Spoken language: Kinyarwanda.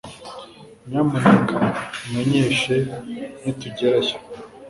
Nyamuneka umenyeshe nitugerayo